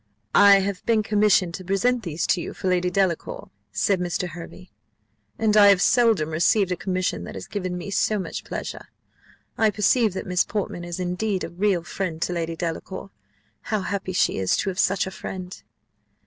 "I have been commissioned to present these to you for Lady Delacour," said Mr. Hervey, "and I have seldom received a commission that has given me so much pleasure. I perceive that Miss Portman is indeed a real friend to Lady Delacour how happy she is to have such a friend!"